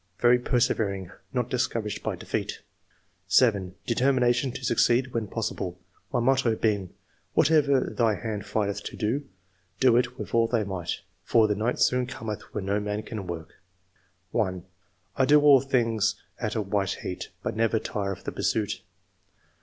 "Very persever ing, hot discouraged by defeat." 7. " Determi nation to succeed when possible ; my motto being * Whatever thy hand findeth to do, do it with all thy might,' for ' the night soon Cometh when no man can work.' " 8. " I do all things at a white heat, but never tire of the pursuit."